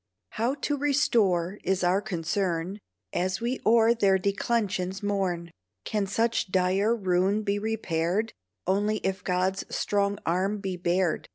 How to restore is our concern, As we o'er their declensions mourn. Can such dire ruin be repaired? Only if God's strong arm be bared.